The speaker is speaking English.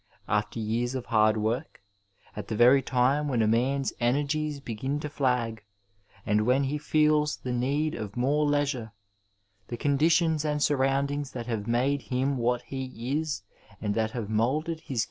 After years of hard work, at the very time when a man's energies begin to flag, and when he feels the need of more leisure, the conditions and surroundings that have made him what he is and that have moulded his ^ Johns Hopkins University, Feb.